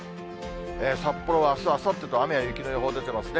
札幌はあす、あさってと雨や雪の予報、出てますね。